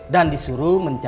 dan disuruh menjaga saya